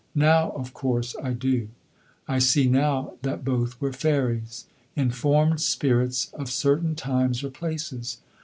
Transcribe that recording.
Now, of course, I do. I see now that both were fairies, informed spirits of certain times or places.